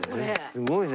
すごいね。